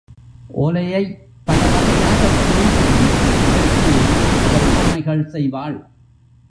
ஓலையைப் பலவகையாகக் கிழித்தும், நறுக்கியும் அவள் பொம்மைகள் செய்வாள்.